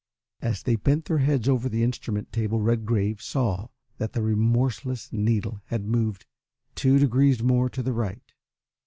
As they bent their heads over the instrument table Redgrave saw that the remorseless needle had moved two degrees more to the right.